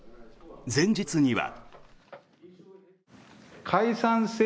前日には。